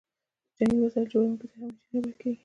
جنګي وسایل جوړوونکو ته هم انجینر ویل کیده.